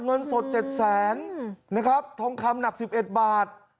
เงินสด๗แสนนะครับทองคำหนัก๑๑บาท